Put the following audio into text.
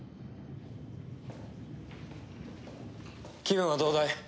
気分はどうだい？